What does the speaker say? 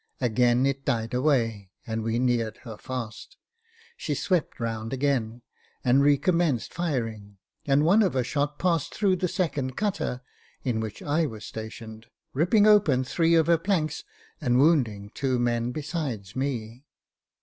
Again it died away, and we neared her fast. She swept round again, and recom menced firing, and one of her shot passed through the second cutter, in which I was stationed, ripping open three of her planks, and wounding two men besides me.